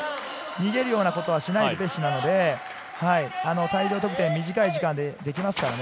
逃げるようなことはしないル・ペシュなので、大量得点、短い時間でできますからね。